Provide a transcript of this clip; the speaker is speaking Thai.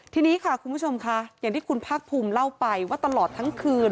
ทีนี้ค่ะคุณผู้ชมค่ะอย่างที่คุณภาคภูมิเล่าไปว่าตลอดทั้งคืน